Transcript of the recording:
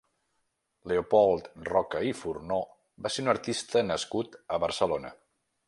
Leopold Roca i Furnó va ser un artista nascut a Barcelona.